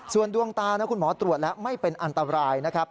ส่วนดวงตานะคุณหมอตรวจแล้วไม่เป็นอันตรายนะครับ